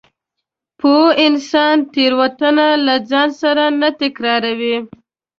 پوه انسان تېروتنه له ځان سره نه تکراروي.